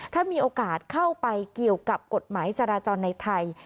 ถ้ามีโอกาสเข้าไปเกี่ยวกับกฎหมายจราจรในไทย